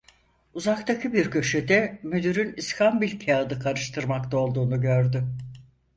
Uzaktaki bir köşede müdürün iskambil kâğıdı karıştırmakta olduğunu gördü.